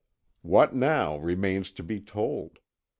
What, now, remains to be told?